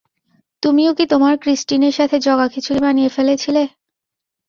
তুমিও কি তোমার ক্রিস্টিনের সাথে জগাখিচুরি বানিয়ে ফেলেছিলে?